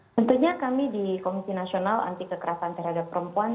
tentunya kami di komisi nasional anti kekerasan terhadap perempuan